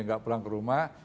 gak pulang ke rumah